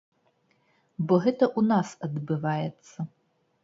Бо гэта ў нас адбываецца.